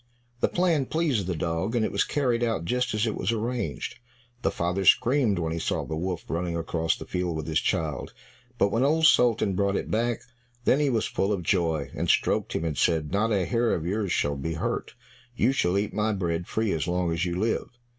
The plan pleased the dog, and it was carried out just as it was arranged. The father screamed when he saw the Wolf running across the field with his child, but when Old Sultan brought it back, then he was full of joy, and stroked him and said, "Not a hair of yours shall be hurt, you shall eat my bread free as long as you live."